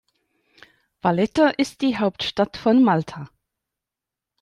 Valletta ist die Hauptstadt von Malta.